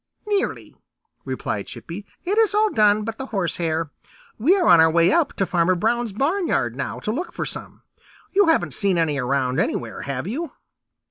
"Nearly," replied Chippy. "It is all done but the horsehair. We are on our way up to Farmer Brown's barnyard now to look for some. You haven't seen any around anywhere, have you?"